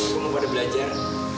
kamu pada belajar